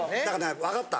わかった！